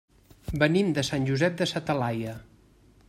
Venim de Sant Josep de sa Talaia.